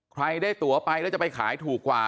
ใครได้ตัวไปแล้วจะไปขายถูกกว่า